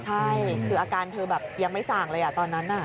ใช่คืออาการเธอแบบยังไม่ส่างเลยตอนนั้น